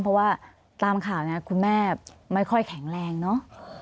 เพราะว่าตามข่าวเนี่ยคุณแม่ไม่ค่อยแข็งแรงเนอะ